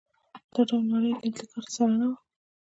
دا ډول نړۍ لید ګرد سره نه وو.